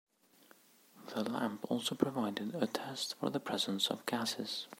The lamp also provided a test for the presence of gases.